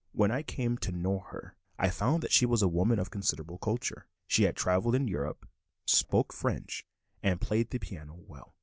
When I came to know her, I found that she was a woman of considerable culture; she had traveled in Europe, spoke French, and played the piano well.